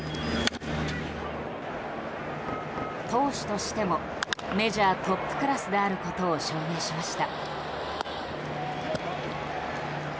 投手としても、メジャートップクラスであることを証明しました。